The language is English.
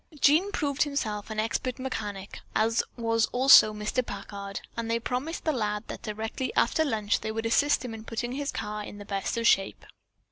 Jean proved himself an expert mechanic, as was also Mr. Packard, and they promised the lad that directly after lunch they would assist him in putting his car in the best of shape.